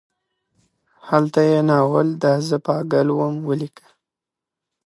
هلته یې ناول دا زه پاګل وم ولیکه.